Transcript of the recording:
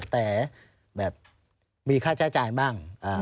แต่แบบมีค่าใช้จ่ายบ้าง